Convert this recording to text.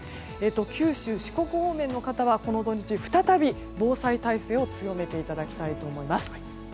九州、四国方面の方はこの土日に防災体制を強めていただきたいと思います。